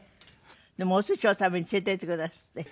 でもお寿司を食べに連れていってくだすって。